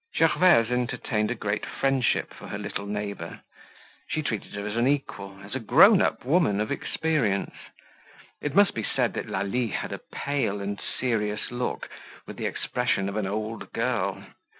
Gervaise entertained a great friendship for her little neighbor. She treated her as an equal, as a grown up woman of experience. It must be said that Lalie had a pale and serious look, with the expression of an old girl.